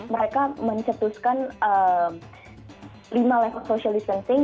mereka mencetuskan lima level social distancing